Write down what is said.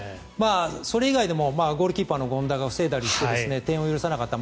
それ以外でもゴールキーパーの権田が防いだりして点を許さなかった。